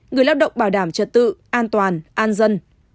người lao động bảo đảm trật tự an toàn an dân